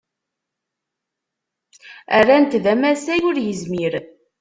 Rran-t d amasay ur yezmir.